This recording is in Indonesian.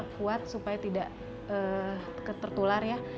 kuat supaya tidak tertular ya